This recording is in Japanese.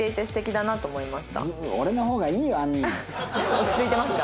落ち着いてますか？